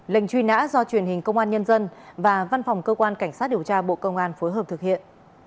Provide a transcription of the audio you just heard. lệnh truy nã do truyền hình công an nhân dân và văn phòng cơ quan cảnh sát điều tra bộ công an phối hợp thực hiện